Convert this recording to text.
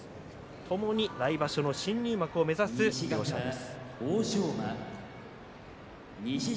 ともに来場所の新入幕を目指す両者です。